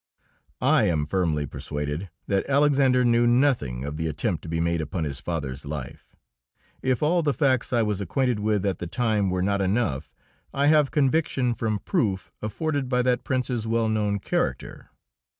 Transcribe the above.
I am firmly persuaded that Alexander knew nothing of the attempt to be made upon his father's life. If all the facts I was acquainted with at the time were not enough, I have conviction from proof afforded by that Prince's well known character.